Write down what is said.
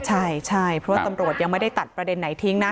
ใช่ใช่เพราะว่าตำรวจยังไม่ได้ตัดประเด็นไหนทิ้งนะ